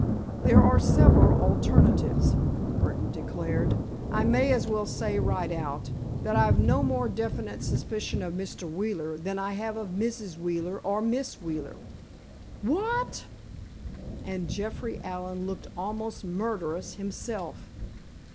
"There are several alternatives," Burdon declared; "I may as well say right out, that I've no more definite suspicion of Mr. Wheeler than I have of Mrs. Wheeler or Miss Wheeler." "What!" and Jeffrey Allen looked almost murderous himself.